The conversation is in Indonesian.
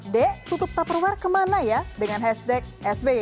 dek tutup topperware kemana ya dengan hashtag sby